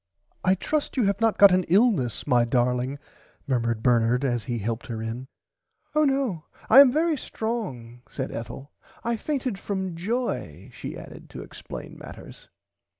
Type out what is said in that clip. I trust you have not got an illness my darling murmured Bernard as he helped her in. [Pg 94] Oh no I am very strong said Ethel I fainted from joy she added to explain matters.